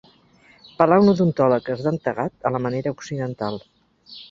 Pelà un odontòleg esdentegat a la manera occidental.